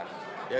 ya di situ ya